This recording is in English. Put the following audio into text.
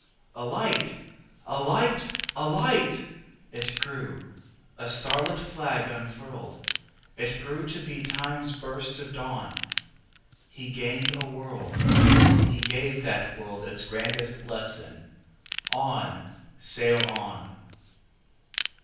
A light! A light! A light! It grew, a starlit flag unfurled! It grew to be Time's burst of dawn. He gained a world; he gave that worldIts grandest lesson: "On! sail on!"